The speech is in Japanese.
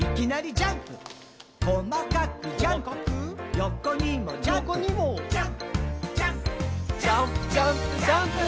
「ジャンプジャンプジャンプジャンプジャンプ」